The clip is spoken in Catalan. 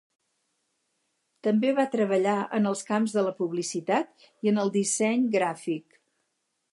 També va treballar en els camps de la publicitat i en el disseny gràfic.